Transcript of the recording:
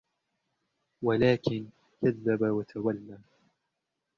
وَلَكِنْ كَذَّبَ وَتَوَلَّى